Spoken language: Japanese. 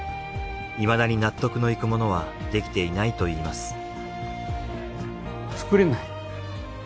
いまだに納得のいくものは出来ていないと言います。